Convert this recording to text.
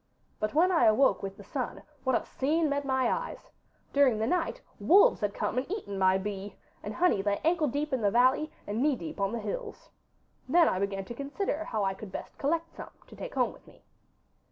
But when I awoke with the sun what a scene met my eyes! During the night wolves had come and had eaten my bee. And honey lay ankle deep in the valley and knee deep on the hills. Then I began to consider how I could best collect some, to take home with me.